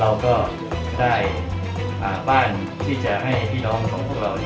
เราก็ได้บ้านที่จะให้พี่น้องของพวกเรา